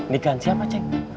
nikahan siapa cenk